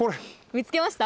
見つけました？